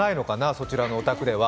そちらのお宅では。